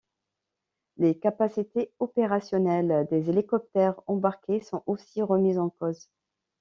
Les capacités opérationnelles des hélicoptères embarqués sont aussi remises en cause.